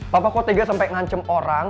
papa kok tega sampai ngancem orang